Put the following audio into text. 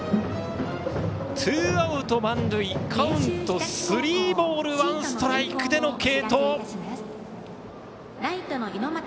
ツーアウト満塁カウント、スリーボールワンストライクでの継投。